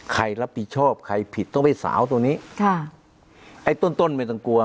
ใครรับผิดชอบใครผิดต้องไปสาวตัวนี้ค่ะไอ้ต้นต้นไม่ต้องกลัว